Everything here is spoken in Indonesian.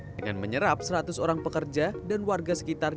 dengan menyerap seratus orang pekerja dan warga sekitar